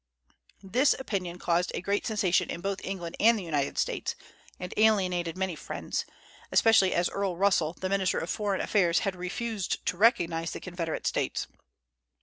This opinion caused a great sensation in both England and the United States, and alienated many friends, especially as Earl Russell, the minister of foreign affairs, had refused to recognize the Confederate States.